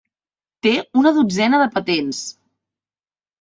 Té una dotzena de patents.